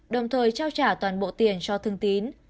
đồng thời trao trả toàn bộ tiền cho thương tín